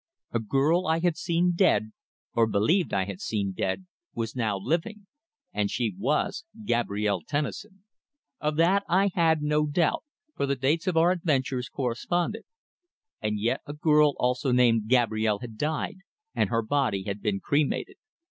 A girl I had seen dead or believed I had seen dead was now living! And she was Gabrielle Tennison. Of that I had no doubt, for the dates of our adventures corresponded. And yet a girl also named Gabrielle had died and her body had been cremated!